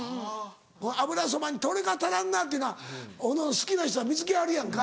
油そばにどれか足らんなっていうのはおのおの好きな人は見つけはるやんか。